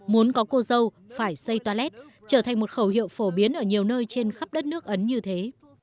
muốn có cô dâu phải xây toalet trở thành một khẩu hiệu phổ biến ở nhiều nơi trên khắp đất nước ấn như thế